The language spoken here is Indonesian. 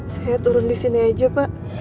saya turun disini aja pak